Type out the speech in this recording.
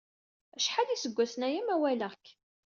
Acḥal iseggasen aya ma walaɣ-k.